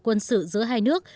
quân sự giữa hai nước